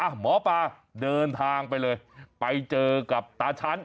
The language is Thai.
หมอปลาเดินทางไปเลยไปเจอกับตาชั้น